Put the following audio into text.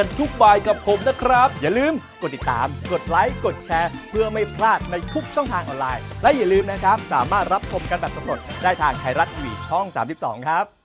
แล้วอย่าลืมนะครับสามารถรับคมกันแบบสมมติได้ทางไทยรัฐอีวียช่อง๓๒ครับ